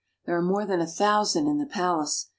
There are more than a thousand in the palace.